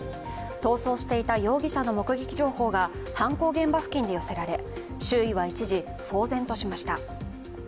逃走していた容疑者の目撃情報が犯行現場付近で寄せられ、周囲は一時、騒然としました。